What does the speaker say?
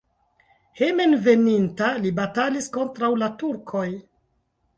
Hejmenveninta li batalis kontraŭ la turkoj.